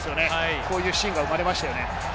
こういうシーンが生まれましたね。